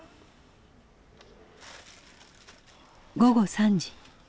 午後３時。